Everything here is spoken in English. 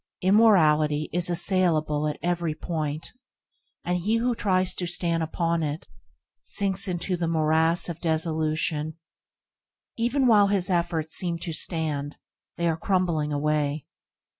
Immorality is assailable at every point, and he who tries to stand upon it, sinks into the morass of desolation. Even while his efforts seem to stand, they are crumbling away.